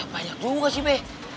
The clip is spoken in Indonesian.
banyak juga sih be